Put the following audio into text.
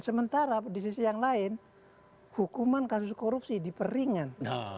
sementara di sisi yang lain hukuman kasus korupsi diperingan